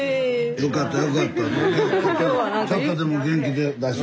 よかったよかった。